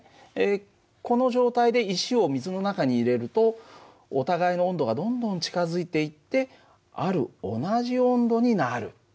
この状態で石を水の中に入れるとお互いの温度がどんどん近づいていってある同じ温度になる。